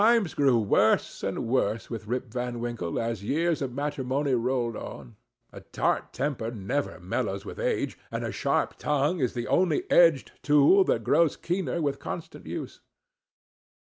Times grew worse and worse with Rip Van Winkle as years of matrimony rolled on; a tart temper never mellows with age, and a sharp tongue is the only edged tool that grows keener with constant use.